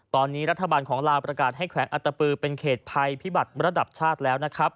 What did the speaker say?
ตอนนี้รัฐบาลของลาวประกาศให้แขวงอัตปือเป็นเขตภัยพิบัติระดับชาติแล้วนะครับ